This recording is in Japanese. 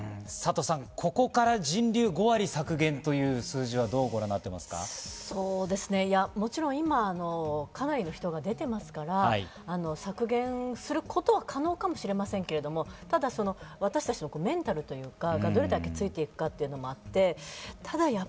ここから人流５割削減はどうもちろん今かなりの人が出ていますから削減することは可能かもしれませんが、ただ私たちのメンタルがどれだけついていくというのもあって。